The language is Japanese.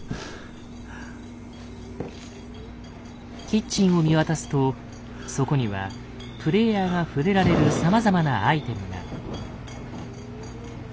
キッチンを見渡すとそこにはプレイヤーが触れられるさまざまなアイテムが。